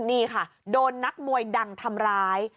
นี่ค่ะโดนนักมวยดังทำร้าย